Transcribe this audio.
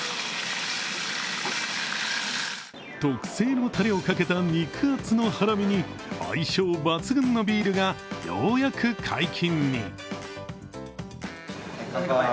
特製のたれをかけた肉厚のハラミに、相性抜群のビールがようやく解禁に。